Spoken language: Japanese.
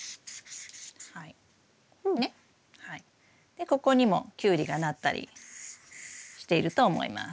でここにもキュウリがなったりしていると思います。